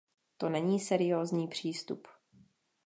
To není seriózní přístup.